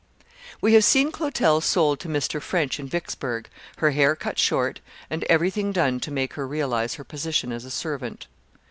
We have seen Clotel sold to Mr. French in Vicksburgh, her hair cut short, and everything done to make her realise her position as a servant.